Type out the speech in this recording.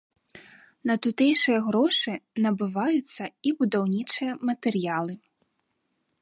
На тутэйшыя грошы набываюцца і будаўнічыя матэрыялы.